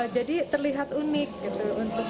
jadi terlihat unik untuk customer